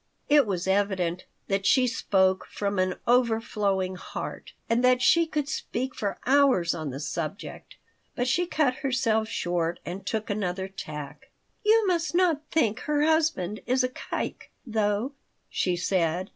It was evident that she spoke from an overflowing heart, and that she could speak for hours on the subject. But she cut herself short and took another tack "You must not think her husband is a kike, though," she said.